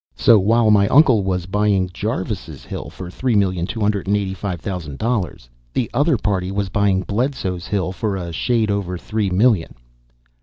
So while my uncle was buying Jarvis's hill for three million two hundred and eighty five thousand dollars, the other party was buying Bledso's hill for a shade over three million.